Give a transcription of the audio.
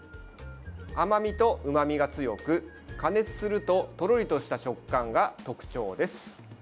甘みとうまみが強く加熱するととろりとした食感が特徴です。